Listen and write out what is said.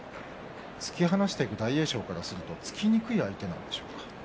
突き放していく大栄翔からすると突きにくい相手なんでしょうか。